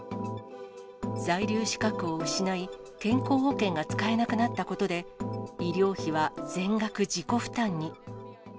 在留資格を失い、健康保険が使えなくなったことで、医療費は全額自己負担に。